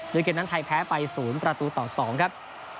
โดยเกมนั้นไทยแพ้ไป๐ประตูต่อ๒ครับ